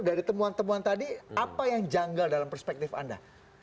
dari temuan temuan tadi apa yang janggal dalam perspektif anda